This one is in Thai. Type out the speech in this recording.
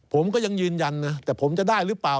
ผมก็ยังยืนยันนะแต่ผมจะได้หรือเปล่า